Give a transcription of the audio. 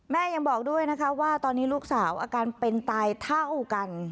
ยังบอกด้วยนะคะว่าตอนนี้ลูกสาวอาการเป็นตายเท่ากัน